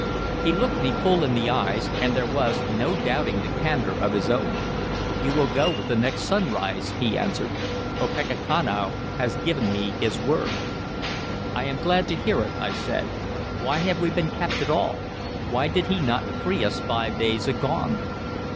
He looked me full in the eyes, and there was no doubting the candor of his own. "You go with the next sunrise," he answered. "Opechancanough has given me his word." "I am glad to hear it," I said. "Why have we been kept at all? Why did he not free us five days agone?"